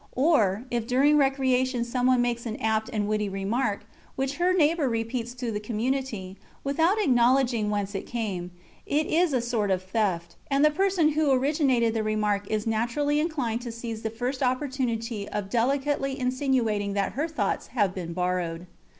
Or, if during recreation someone makes an apt and witty remark, which her neighbour repeats to the Community, without acknowledging whence it came, it is a sort of theft; and the person who originated the remark is naturally inclined to seize the first opportunity of delicately insinuating that her thoughts have been borrowed.